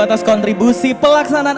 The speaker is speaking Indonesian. atas kontribusi pelaksanaan